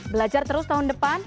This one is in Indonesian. belajar terus tahun depan